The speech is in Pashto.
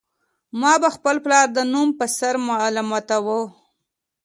ما به خپل پلار د نوم په سر ملامتاوه